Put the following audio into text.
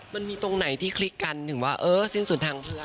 มันมีตรงไหนที่คลิกกันถึงว่าเออสิ้นสุดทาง